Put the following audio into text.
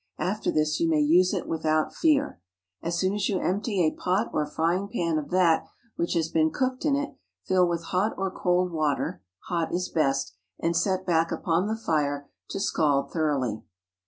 After this, you may use it without fear. As soon as you empty a pot or frying pan of that which has been cooked in it, fill with hot or cold water (hot is best) and set back upon the fire to scald thoroughly.